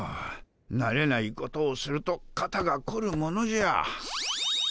なれないことをすると肩がこるものじゃ。